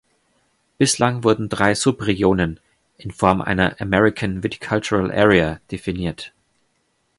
Bislang wurden drei Subregionen in Form einer American Viticultural Area definiert.